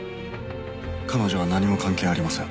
彼女は何も関係ありません。